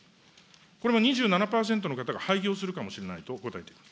これも２７％の方が廃業するかもしれないと答えている。